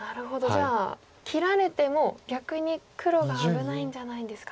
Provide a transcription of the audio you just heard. じゃあ切られても逆に黒が危ないんじゃないですかと。